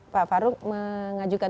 pak faruk mengajukan